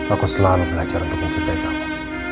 aku selalu belajar untuk mencintai kamu